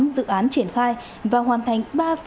dự án triển khai và hoàn thành